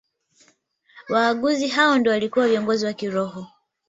Waaguzi hao ndio waliokuwa viongozi wa kiroho